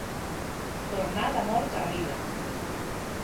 Tornar de mort a vida.